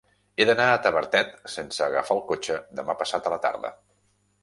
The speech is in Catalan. He d'anar a Tavertet sense agafar el cotxe demà passat a la tarda.